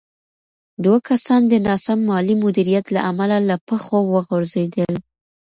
دوه کسان د ناسم مالي مدیریت له امله له پښو وغورځېدل.